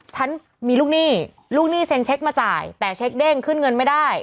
ฉันมีลูกหนี้ลูกหนี้เซ็นเช็คมาจ่ายแต่เช็คเด้งขึ้นเงินไม่ได้